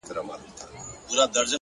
نیک چلند د دوستۍ تخم کرل دي.